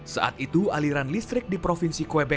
saat itu aliran listrik di provinsi kuebek